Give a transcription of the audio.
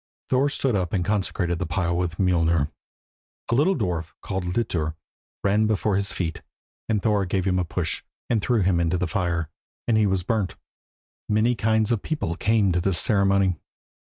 Thor stood up and consecrated the pile with Mjolnir. A little dwarf, called Litur, ran before his feet, and Thor gave him a push, and threw him into the fire, and he was burnt. Many kinds of people came to this ceremony.